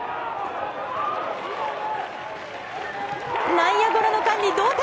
内野ゴロの間に同点。